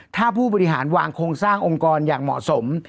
ถ้าผู้บริหารวางโครงสร้างองค์กรอย่างเหมาะสม